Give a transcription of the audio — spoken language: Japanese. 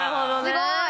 すごい！